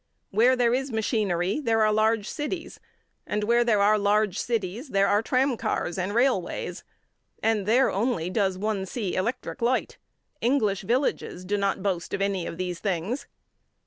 Where there is machinery there are large cities; and where there are large cities, there are tram cars and railways; and there only does one see electric light. English villages do not boast any of these things.